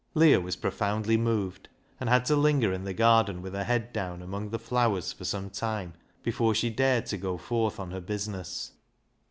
Leah was profoundly moved, and had to linger in the garden with her head down among the flowers for some time before she dared to go forth on her business.